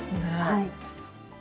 はい。